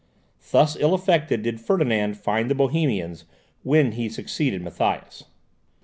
Thus ill affected did Ferdinand find the Bohemians, when he succeeded Matthias.